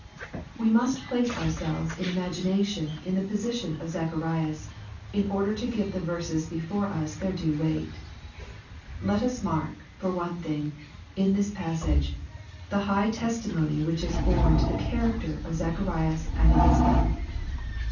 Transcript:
We must place ourselves in imagination in the position of Zacharias, in order to give the verses before lis their due weight. Let us mark, for one thing, in this passage, the high testimony which is borne to the character of Zacharias and Elisabeth.